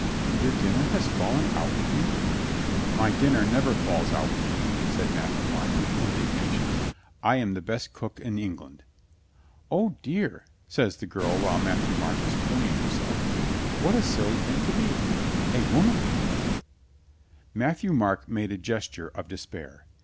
"Your dinner has fallen out with you?" "My dinner never falls out with me," said Mat thieu Marc with indignation. "I am the best cook in England." "O, dear," says the girl while Matthieu Marc 205 206 COLONEL GREATHEART was pruning himself, "what a silly thing to be. A woman can cook." Matthieu Marc made a gesture of despair.